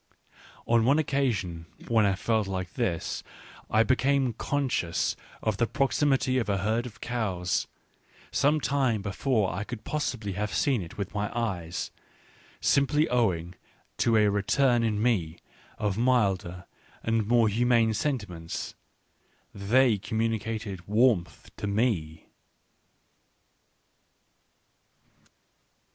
On one occasion when I felt like this I became conscious of the proximity of a herd of cows, some time before I could possibly have seen it with my eyes, simply owing to a return in me of milder and more humane sentiments : they communicated warmth to me.